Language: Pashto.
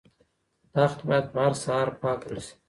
تخت باید په هره سهار پاک کړل شي.